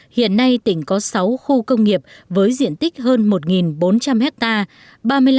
hiện nay tỉnh có sáu khu công nghiệp với diện tích hơn một bốn trăm linh hectare